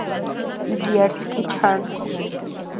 იგი არც კი ჩანს.